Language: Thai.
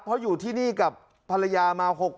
เพราะอยู่ที่นี่กับภรรยามา๖ปี